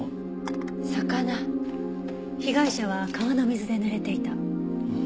被害者は川の水で濡れていた。